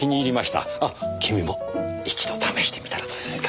あ君も一度試してみたらどうですか？